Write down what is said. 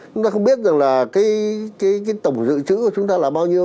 chúng ta không biết rằng là cái tổng dự trữ của chúng ta là bao nhiêu